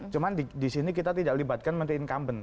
cuma di sini kita tidak libatkan menteri incumbent